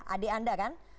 adik anda kan